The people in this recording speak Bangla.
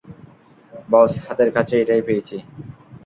বস, হাতের কাছে এটাই পেয়েছি।